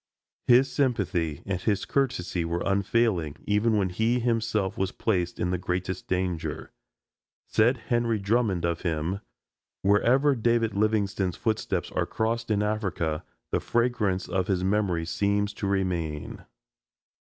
His sympathy and his courtesy were unfailing, even when he himself was placed in the greatest danger. Said Henry Drummond of him: "Wherever David Livingstone's footsteps are crossed in Africa the fragrance of his memory seems to remain."